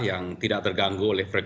yang tidak terganggu oleh